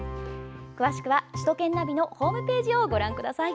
詳しくは、首都圏ナビのホームページをご覧ください。